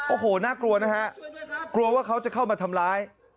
โอ้โหน่ากลัวนะฮะกลัวว่าเขาจะเข้ามาทำร้าย